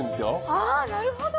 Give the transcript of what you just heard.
あぁなるほど！